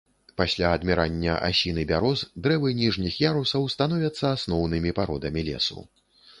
Пасля адмірання асін і бяроз дрэвы ніжніх ярусаў становяцца асноўнымі пародамі лесу.